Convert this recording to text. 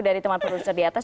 dari teman produser di atas